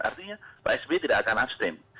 artinya pak sby tidak akan abstain